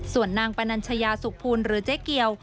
ส่วนนางปนัญชยาสุขภูลหรือเจ๊เกียว